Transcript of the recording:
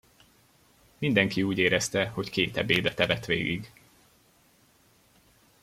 Mindenki úgy érezte, hogy két ebédet evett végig.